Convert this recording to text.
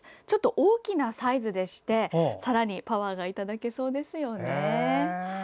ちょっと大きなサイズでしてさらにパワーがいただけそうですよね。